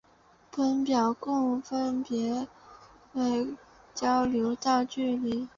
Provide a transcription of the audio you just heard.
本表共分为交流道距离。